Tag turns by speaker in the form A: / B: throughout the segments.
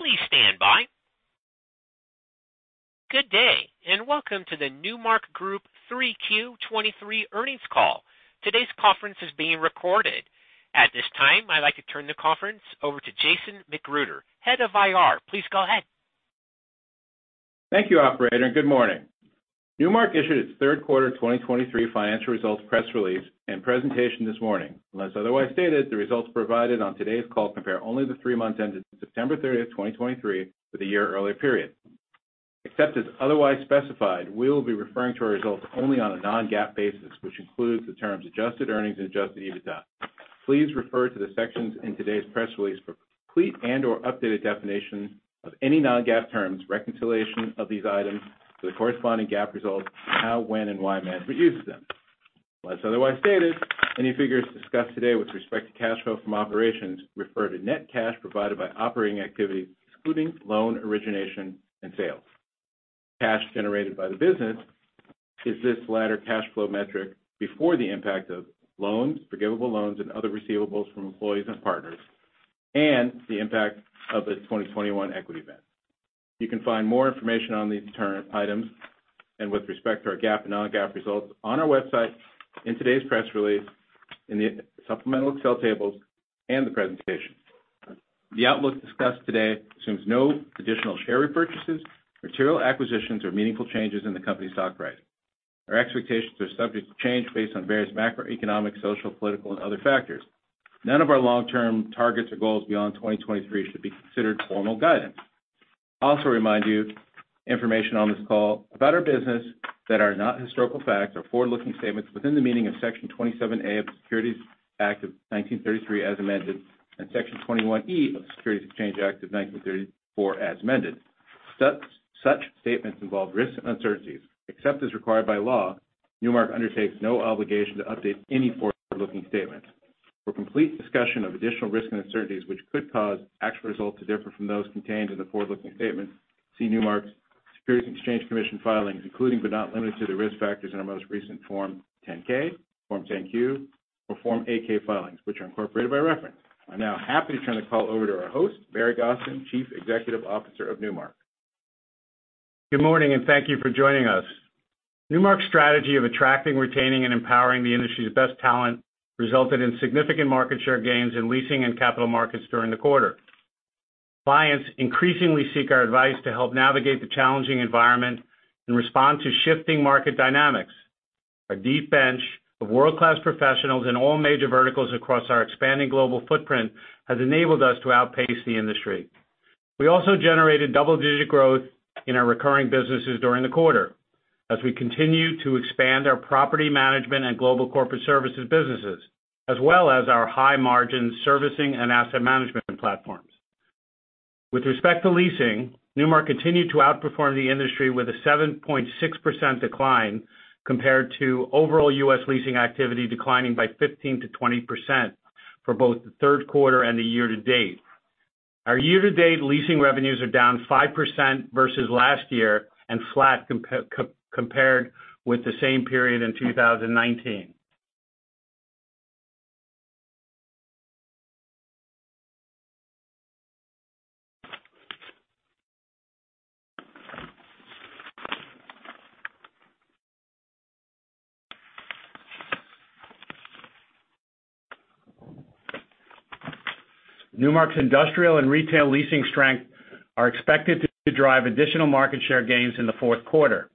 A: Please stand by. Good day, and welcome to the Newmark Group 3Q 2023 earnings call. Today's conference is being recorded. At this time, I'd like to turn the conference over to Jason McGruder, Head of IR. Please go ahead.
B: Thank you, operator, and good morning. Newmark issued its third quarter 2023 financial results press release and presentation this morning. Unless otherwise stated, the results provided on today's call compare only the three months ended September 30, 2023, for the year earlier period. Except as otherwise specified, we will be referring to our results only on a non-GAAP basis, which includes the terms adjusted earnings and adjusted EBITDA. Please refer to the sections in today's press release for complete and/or updated definition of any non-GAAP terms, reconciliation of these items to the corresponding GAAP results, and how, when, and why management uses them. Unless otherwise stated, any figures discussed today with respect to cash flow from operations refer to net cash provided by operating activities, excluding loan origination and sales. Cash generated by the business is this latter cash flow metric before the impact of loans, forgivable loans, and other receivables from employees and partners, and the impact of the 2021 equity event. You can find more information on these term items and with respect to our GAAP and non-GAAP results on our website in today's press release, in the supplemental Excel tables and the presentation. The outlook discussed today assumes no additional share repurchases, material acquisitions, or meaningful changes in the company's stock price. Our expectations are subject to change based on various macroeconomic, social, political, and other factors. None of our long-term targets or goals beyond 2023 should be considered formal guidance. I also remind you, information on this call about our business that are not historical facts are forward-looking statements within the meaning of Section 27A of the Securities Act of 1933, as amended, and Section 21E of the Securities Exchange Act of 1934, as amended. Such statements involve risks and uncertainties, except as required by law, Newmark undertakes no obligation to update any forward-looking statements. For complete discussion of additional risks and uncertainties which could cause actual results to differ from those contained in the forward-looking statements, see Newmark's Securities and Exchange Commission filings, including but not limited to the risk factors in our most recent Form 10-K, Form 10-Q, or Form 8-K filings, which are incorporated by reference. I'm now happy to turn the call over to our host, Barry Gosin, Chief Executive Officer of Newmark.
C: Good morning, and thank you for joining us. Newmark's strategy of attracting, retaining, and empowering the industry's best talent resulted in significant market share gains in leasing and Capital Markets during the quarter. Clients increasingly seek our advice to help navigate the challenging environment and respond to shifting market dynamics. Our deep bench of world-class professionals in all major verticals across our expanding global footprint has enabled us to outpace the industry. We also generated double-digit growth in our recurring businesses during the quarter as we continue to expand our Property Management and global corporate services businesses, as well as our high-margin Servicing and asset management platforms. With respect to leasing, Newmark continued to outperform the industry with a 7.6% decline compared to overall U.S. leasing activity declining by 15%-20% for both the third quarter and the year-to-date. Our year-to-date leasing revenues are down 5% versus last year and flat compared with the same period in 2019. Newmark's industrial and retail leasing strength are expected to drive additional market share gains in the fourth quarter.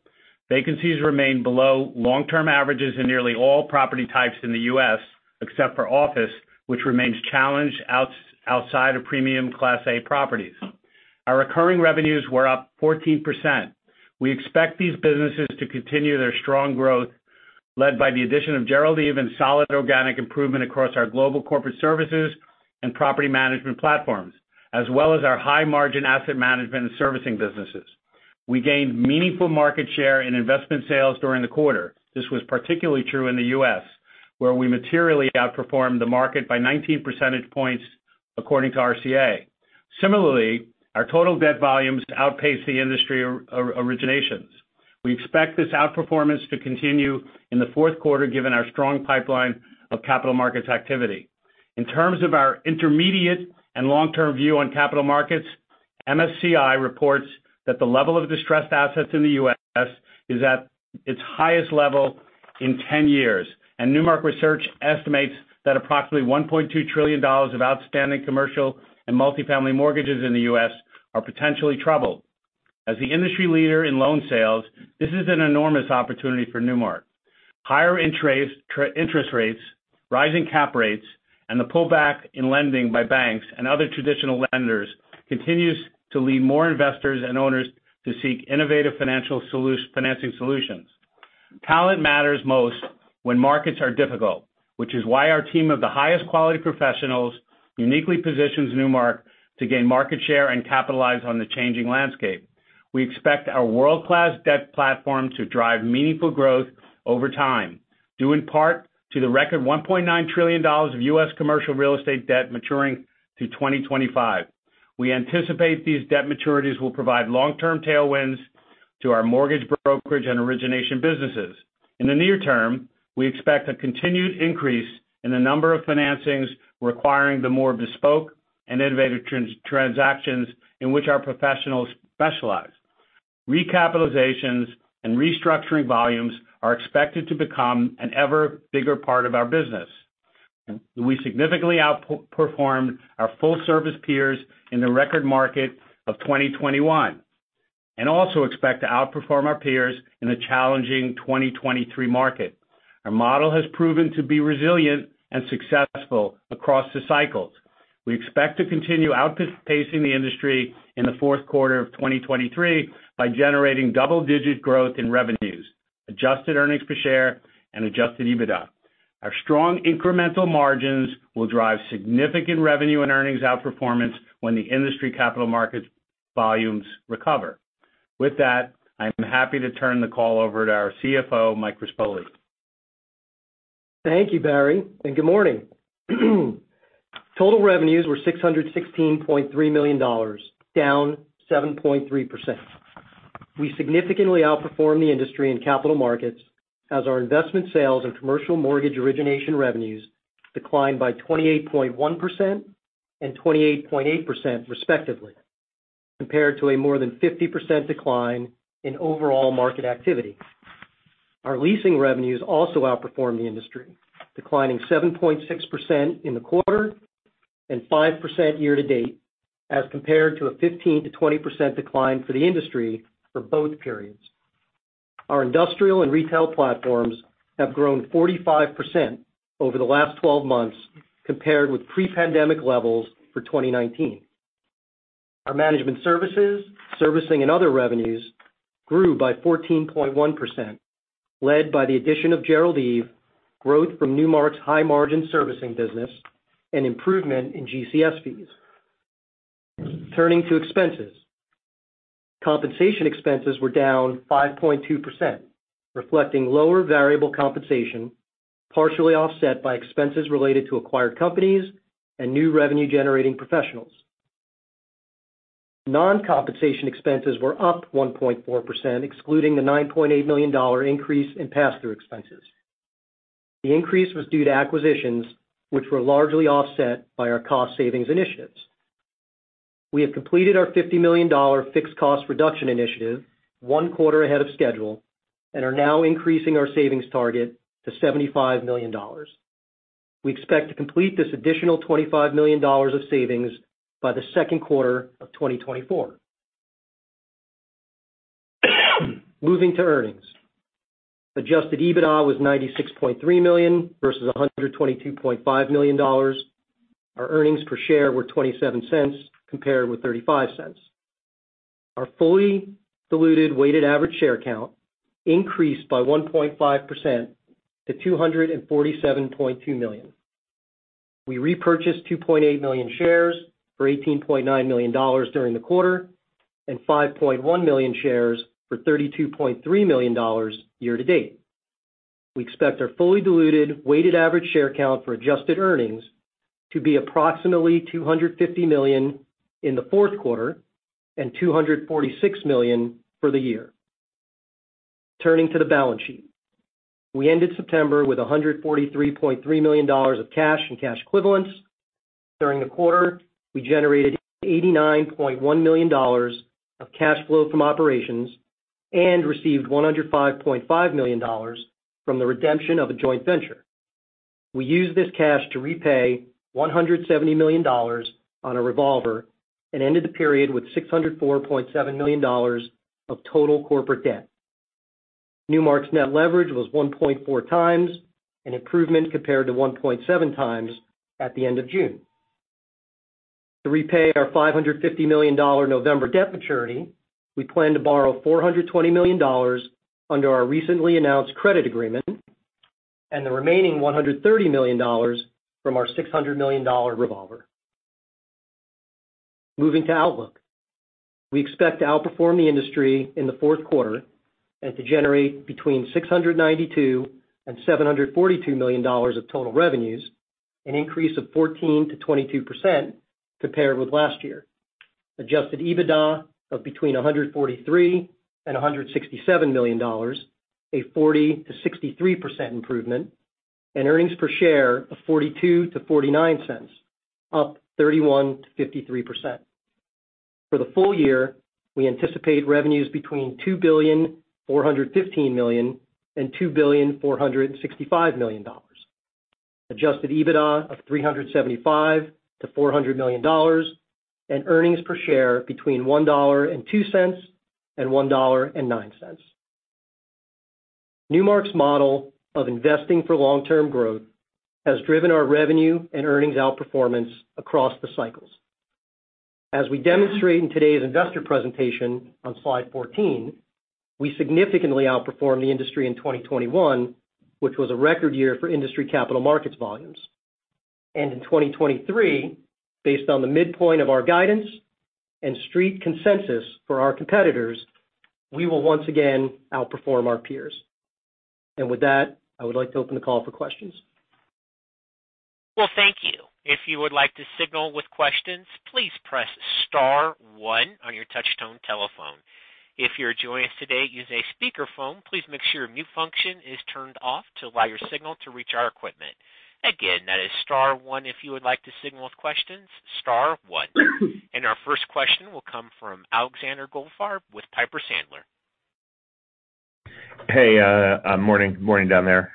C: Vacancies remain below long-term averages in nearly all property types in the U.S., except for office, which remains challenged outside of premium Class A properties. Our recurring revenues were up 14%. We expect these businesses to continue their strong growth, led by the addition of Gerald Eve and solid organic improvement across our global corporate services and Property Management platforms, as well as our high-margin asset management and Servicing businesses. We gained meaningful market share in investment sales during the quarter. This was particularly true in the U.S., where we materially outperformed the market by 19 percentage points, according to RCA. Similarly, our total debt volumes outpaced the industry, originations. We expect this outperformance to continue in the fourth quarter, given our strong pipeline of Capital Markets activity. In terms of our intermediate and long-term view on Capital Markets, MSCI reports that the level of distressed assets in the U.S. is at its highest level in 10 years, and Newmark research estimates that approximately $1.2 trillion of outstanding commercial and multifamily mortgages in the U.S. are potentially troubled. As the industry leader in loan sales, this is an enormous opportunity for Newmark. Higher interest rates, rising cap rates, and the pullback in lending by banks and other traditional lenders continues to lead more investors and owners to seek innovative financial financing solutions. Talent matters most when markets are difficult, which is why our team of the highest quality professionals uniquely positions Newmark to gain market share and capitalize on the changing landscape. We expect our world-class debt platform to drive meaningful growth over time, due in part to the record $1.9 trillion of U.S. commercial real estate debt maturing through 2025. We anticipate these debt maturities will provide long-term tailwinds to our mortgage brokerage and origination businesses. In the near term, we expect a continued increase in the number of financings requiring the more bespoke and innovative transactions in which our professionals specialize. Recapitalizations and restructuring volumes are expected to become an ever bigger part of our business. We significantly outperformed our full-service peers in the record market of 2021, and also expect to outperform our peers in a challenging 2023 market. Our model has proven to be resilient and successful across the cycles. We expect to continue outpacing the industry in the fourth quarter of 2023 by generating double-digit growth in revenues, adjusted earnings per share, and adjusted EBITDA. Our strong incremental margins will drive significant revenue and earnings outperformance when the industry Capital Markets volumes recover. With that, I'm happy to turn the call over to our CFO, Mike Rispoli.
D: Thank you, Barry, and good morning. Total revenues were $616.3 million, down 7.3%. We significantly outperformed the industry in Capital Markets as our investment sales and commercial mortgage origination revenues declined by 28.1% and 28.8%, respectively, compared to a more than 50% decline in overall market activity. Our leasing revenues also outperformed the industry, declining 7.6% in the quarter and 5% year-to-date, as compared to a 15%-20% decline for the industry for both periods. Our industrial and retail platforms have grown 45% over the last twelve months, compared with pre-pandemic levels for 2019. Our management services, Servicing, and other revenues grew by 14.1%, led by the addition of Gerald Eve, growth from Newmark's high-margin Servicing business, and improvement in GCS fees. Turning to expenses. Compensation expenses were down 5.2%, reflecting lower variable compensation, partially offset by expenses related to acquired companies and new revenue-generating professionals. Non-compensation expenses were up 1.4%, excluding the $9.8 million increase in pass-through expenses. The increase was due to acquisitions, which were largely offset by our cost savings initiatives. We have completed our $50 million fixed cost reduction initiative one quarter ahead of schedule and are now increasing our savings target to $75 million. We expect to complete this additional $25 million of savings by the second quarter of 2024. Moving to earnings. Adjusted EBITDA was $96.3 million versus $122.5 million. Our earnings per share were $0.27 compared with $0.35. Our fully diluted weighted average share count increased by 1.5% to 247.2 million. We repurchased 2.8 million shares for $18.9 million during the quarter and 5.1 million shares for $32.3 million year-to-date. We expect our fully diluted weighted average share count for adjusted earnings to be approximately 250 million in the fourth quarter and 246 million for the year. Turning to the balance sheet. We ended September with $143.3 million of cash and cash equivalents. During the quarter, we generated $89.1 million of cash flow from operations and received $105.5 million from the redemption of a joint venture. We used this cash to repay $170 million on a revolver and ended the period with $604.7 million of total corporate debt. Newmark's net leverage was 1.4x, an improvement compared to 1.7x at the end of June. To repay our $550 million November debt maturity, we plan to borrow $420 million under our recently announced credit agreement, and the remaining $130 million from our $600 million revolver. Moving to outlook. We expect to outperform the industry in the fourth quarter and to generate between $692 million and $742 million of total revenues, an increase of 14%-22% compared with last year. Adjusted EBITDA of between $143 million and $167 million, a 40%-63% improvement, and earnings per share of $0.42-$0.49, up 31%-53%. For the full-year, we anticipate revenues between $2.415 billion and $2.465 billion. Adjusted EBITDA of $375 million-$400 million, and earnings per share between $1.02 and $1.09. Newmark's model of investing for long-term growth has driven our revenue and earnings outperformance across the cycles. As we demonstrate in today's investor presentation on slide 14, we significantly outperformed the industry in 2021, which was a record year for industry Capital Markets volumes.In 2023, based on the midpoint of our guidance and Street consensus for our competitors, we will once again outperform our peers. With that, I would like to open the call for questions. ...
A: Well, thank you. If you would like to signal with questions, please press star one on your touch-tone telephone. If you're joining us today using a speakerphone, please make sure mute function is turned off to allow your signal to reach our equipment. Again, that is star one if you would like to signal with questions, star one. And our first question will come from Alexander Goldfarb with Piper Sandler.
E: Hey, morning. Good morning down there.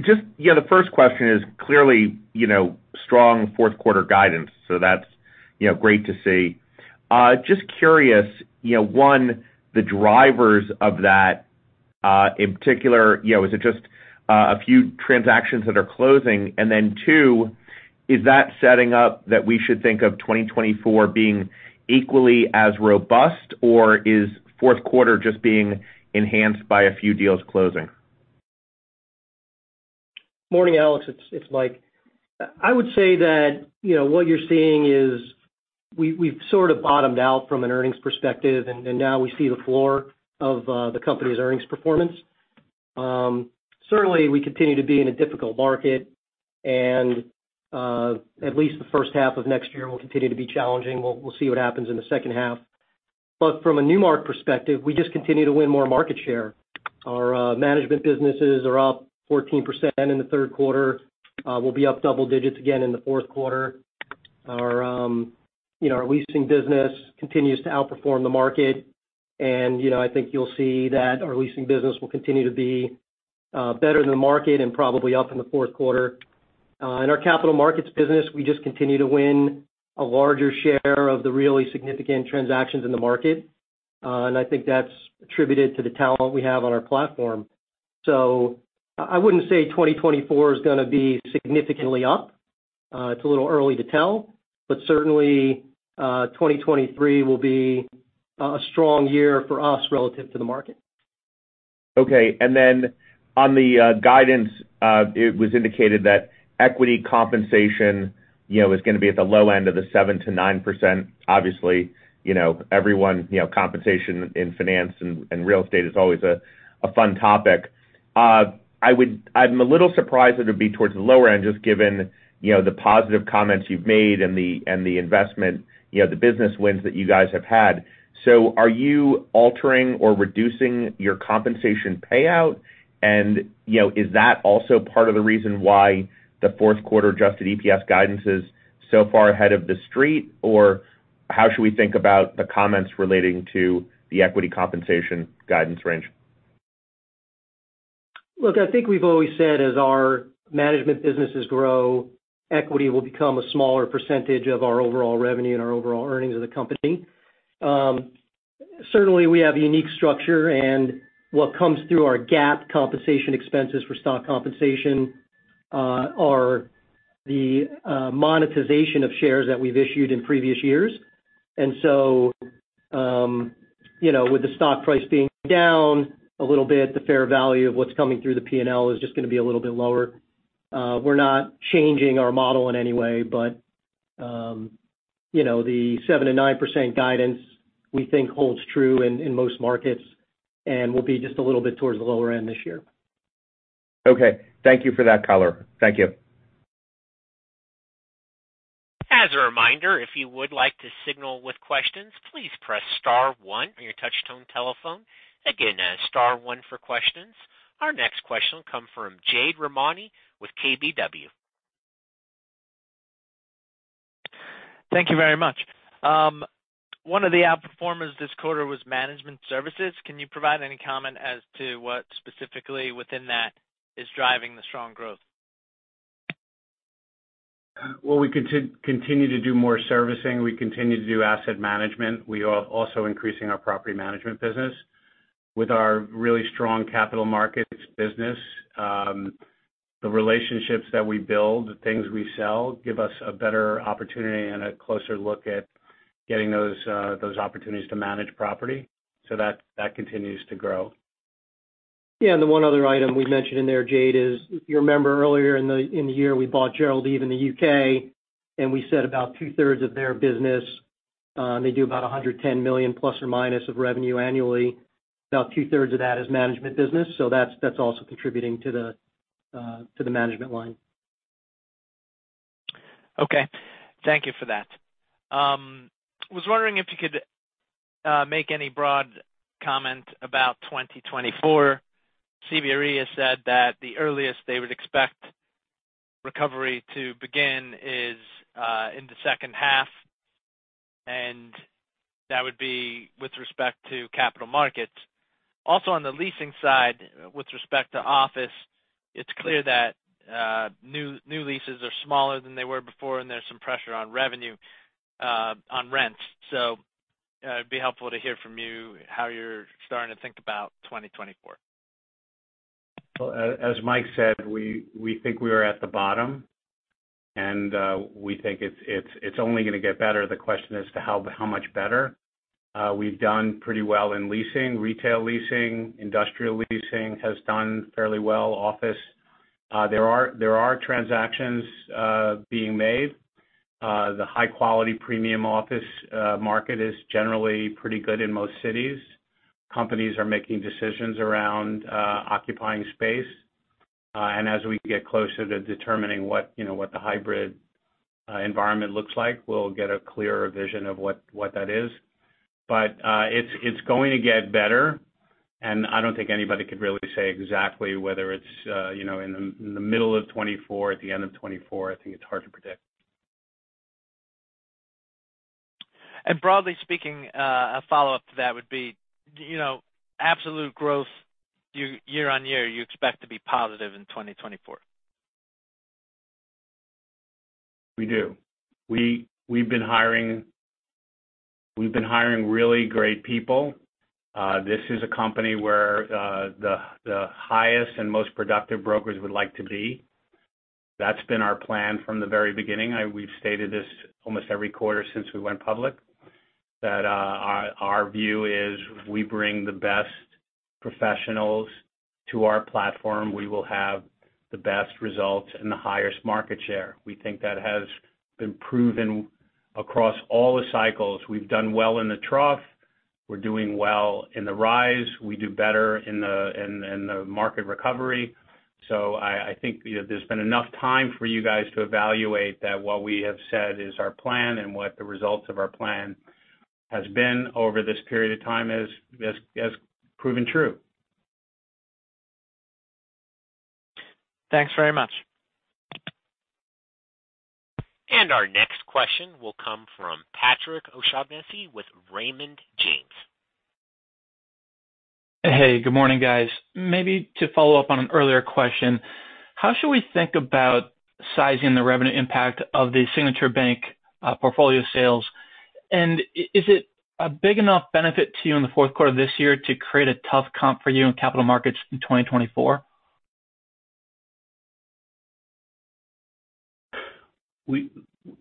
E: Just, yeah, the first question is clearly, you know, strong fourth quarter guidance, so that's, you know, great to see. Just curious, you know, one, the drivers of that, in particular, you know, is it just, a few transactions that are closing? And then two, is that setting up that we should think of 2024 being equally as robust, or is fourth quarter just being enhanced by a few deals closing?
D: Morning, Alex. It's Mike. I would say that, you know, what you're seeing is we've sort of bottomed out from an earnings perspective, and now we see the floor of the company's earnings performance. Certainly, we continue to be in a difficult market, and at least the first half of next year will continue to be challenging. We'll see what happens in the second half. But from a Newmark perspective, we just continue to win more market share. Our management businesses are up 14% in the third quarter, we'll be up double digits again in the fourth quarter. Our, you know, our leasing business continues to outperform the market, and, you know, I think you'll see that our leasing business will continue to be better than the market and probably up in the fourth quarter. In our Capital Markets business, we just continue to win a larger share of the really significant transactions in the market. And I think that's attributed to the talent we have on our platform. I wouldn't say 2024 is gonna be significantly up. It's a little early to tell, but certainly, 2023 will be a strong year for us relative to the market.
E: Okay. And then on the guidance, it was indicated that equity compensation, you know, is gonna be at the low end of the 7%-9%. Obviously, you know, everyone, you know, compensation in finance and real estate is always a fun topic. I would-- I'm a little surprised that it would be towards the lower end, just given, you know, the positive comments you've made and the investment, you know, the business wins that you guys have had. So are you altering or reducing your compensation payout? And, you know, is that also part of the reason why the fourth quarter adjusted EPS guidance is so far ahead of the street? Or how should we think about the comments relating to the equity compensation guidance range?
D: Look, I think we've always said as our management businesses grow, equity will become a smaller percentage of our overall revenue and our overall earnings of the company. Certainly, we have a unique structure, and what comes through our GAAP compensation expenses for stock compensation are the monetization of shares that we've issued in previous years. And so, you know, with the stock price being down a little bit, the fair value of what's coming through the P&L is just gonna be a little bit lower. We're not changing our model in any way, but, you know, the 7%-9% guidance, we think, holds true in most markets, and we'll be just a little bit towards the lower end this year.
E: Okay. Thank you for that color. Thank you.
A: As a reminder, if you would like to signal with questions, please press star one on your touchtone telephone. Again, that's star one for questions. Our next question will come from Jade Rahmani with KBW.
F: Thank you very much. One of the outperformers this quarter was management services. Can you provide any comment as to what specifically within that is driving the strong growth?
C: Well, we continue to do more Servicing. We continue to do asset management. We are also increasing our Property Management business. With our really strong Capital Markets business, the relationships that we build, the things we sell, give us a better opportunity and a closer look at getting those opportunities to manage property. So that continues to grow.
D: Yeah, and the one other item we mentioned in there, Jade, is if you remember earlier in the year, we bought Gerald Eve in the U.K., and we said about two-thirds of their business, they do about $110 million ± of revenue annually. About two-thirds of that is management business, so that's also contributing to the management line.
F: Okay. Thank you for that. I was wondering if you could make any broad comment about 2024. CBRE has said that the earliest they would expect recovery to begin is in the second half, and that would be with respect to Capital Markets. Also, on the leasing side, with respect to office, it's clear that new, new leases are smaller than they were before, and there's some pressure on revenue on rents. So, it'd be helpful to hear from you how you're starting to think about 2024.
C: Well, as Mike said, we think we are at the bottom, and we think it's only gonna get better. The question is to how much better? We've done pretty well in leasing. Retail leasing, industrial leasing has done fairly well. Office, there are transactions being made. The high-quality premium office market is generally pretty good in most cities. Companies are making decisions around occupying space. And as we get closer to determining what, you know, what the hybrid environment looks like, we'll get a clearer vision of what that is. But it's going to get better, and I don't think anybody could really say exactly whether it's, you know, in the middle of 2024, at the end of 2024. I think it's hard to predict.
F: Broadly speaking, a follow-up to that would be, you know, absolute growth year-over-year, you expect to be positive in 2024?
C: We do. We've been hiring really great people. This is a company where the highest and most productive brokers would like to be. That's been our plan from the very beginning. We've stated this almost every quarter since we went public, that our view is, if we bring the best professionals to our platform, we will have the best results and the highest market share. We think that has been proven across all the cycles. We've done well in the trough. We're doing well in the rise. We do better in the market recovery. So I think, you know, there's been enough time for you guys to evaluate that what we have said is our plan, and what the results of our plan has been over this period of time has proven true.
F: Thanks very much.
A: Our next question will come from Patrick O'Shaughnessy with Raymond James.
G: Hey, good morning, guys. Maybe to follow up on an earlier question, how should we think about sizing the revenue impact of the Signature Bank portfolio sales? And is it a big enough benefit to you in the fourth quarter of this year to create a tough comp for you in Capital Markets in 2024?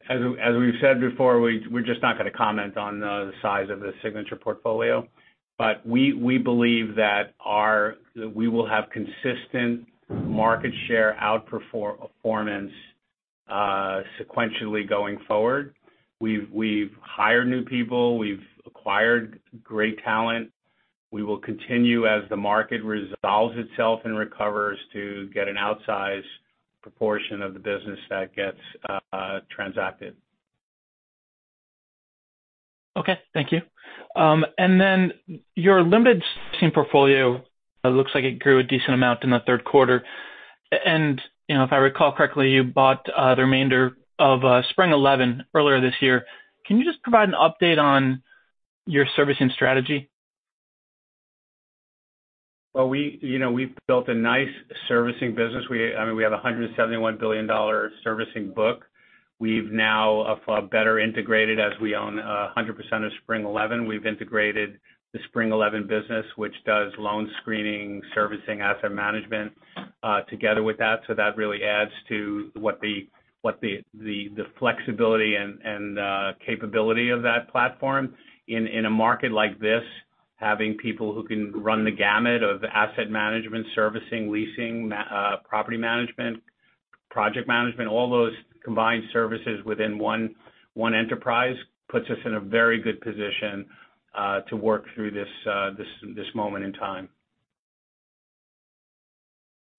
C: As we've said before, we're just not gonna comment on the size of the Signature portfolio. But we believe that we will have consistent market share outperformance sequentially going forward. We've hired new people. We've acquired great talent. We will continue, as the market resolves itself and recovers, to get an outsized proportion of the business that gets transacted.
G: Okay. Thank you. And then your lending team portfolio, it looks like it grew a decent amount in the third quarter. And, you know, if I recall correctly, you bought the remainder of Spring11 earlier this year. Can you just provide an update on your Servicing strategy?
C: Well, we, you know, we've built a nice Servicing business. I mean, we have a $171 billion Servicing book. We've now better integrated, as we own a 100% of Spring11. We've integrated the Spring11 business, which does loan screening, Servicing, asset management together with that, so that really adds to what the flexibility and capability of that platform. In a market like this, having people who can run the gamut of asset management, Servicing, leasing, Property Management, project management, all those combined services within one enterprise, puts us in a very good position to work through this moment in time.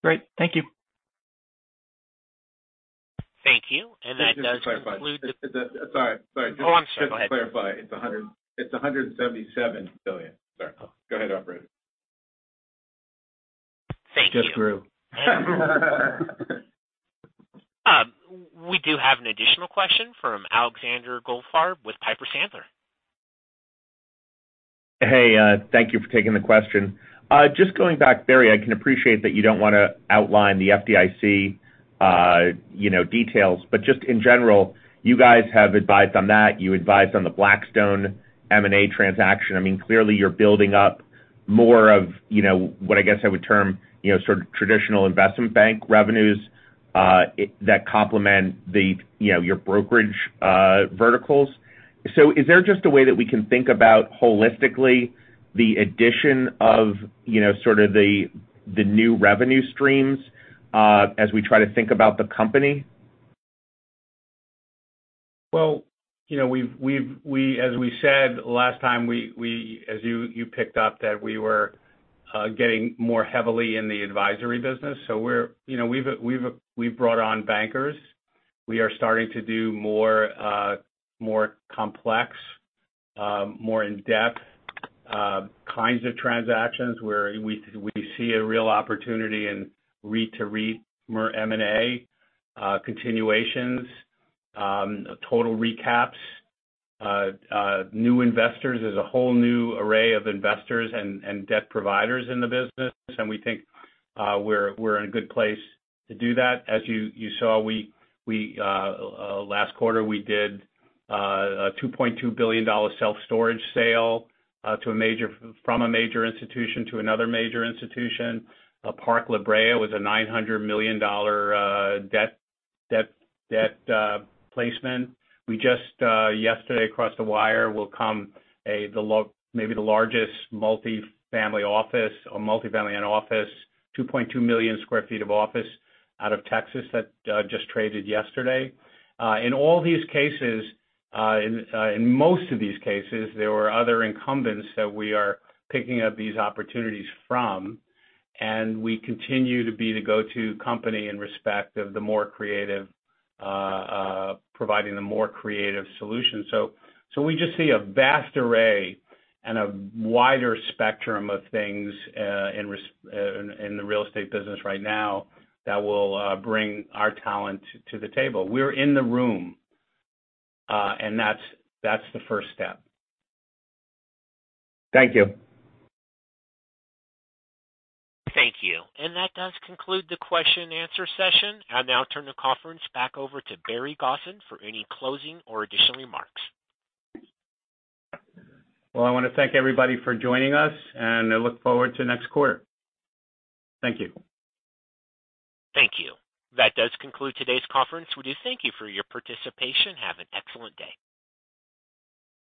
G: Great. Thank you.
A: Thank you. And that does conclude-
C: Sorry, sorry.
A: Oh, I'm sorry. Go ahead.
C: Just to clarify, it's $177 billion. Sorry. Go ahead, operator.
A: Thank you.
C: It just grew.
A: We do have an additional question from Alexander Goldfarb with Piper Sandler.
E: Hey, thank you for taking the question. Just going back, Barry, I can appreciate that you don't wanna outline the FDIC, you know, details. But just in general, you guys have advised on that. You advised on the Blackstone M&A transaction. I mean, clearly, you're building up more of, you know, what I guess I would term, you know, sort of traditional investment bank revenues, that complement the, you know, your brokerage, verticals. So is there just a way that we can think about, holistically, the addition of, you know, sort of the, the new revenue streams, as we try to think about the company?
C: Well, you know, as we said last time, as you picked up, that we were getting more heavily in the advisory business. So we're, you know, we've brought on bankers. We are starting to do more complex, more in-depth kinds of transactions, where we see a real opportunity in REIT-to-REIT M&A, continuations, total recaps. New investors, there's a whole new array of investors and debt providers in the business, and we think we're in a good place to do that. As you saw, last quarter, we did a $2.2 billion self-storage sale from a major institution to another major institution. Park La Brea was a $900 million debt placement. We just yesterday across the wire maybe the largest multifamily office or multifamily and office, 2.2 million sq ft of office out of Texas that just traded yesterday. In all these cases, in most of these cases, there were other incumbents that we are picking up these opportunities from, and we continue to be the go-to company in respect of the more creative providing the more creative solutions. So we just see a vast array and a wider spectrum of things in the real estate business right now that will bring our talent to the table. We're in the room, and that's the first step.
E: Thank you.
A: Thank you. That does conclude the question and answer session. I'll now turn the conference back over to Barry Gosin for any closing or additional remarks.
C: Well, I wanna thank everybody for joining us, and I look forward to next quarter. Thank you.
A: Thank you. That does conclude today's conference. We do thank you for your participation. Have an excellent day.